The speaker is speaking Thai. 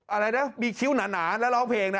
อะไรนะมีคิ้วหนาแล้วร้องเพลงนะ